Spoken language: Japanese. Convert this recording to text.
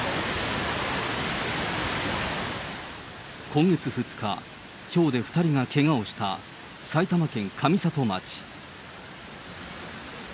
今月２日、ひょうで２人がけがをした、埼玉県上里町。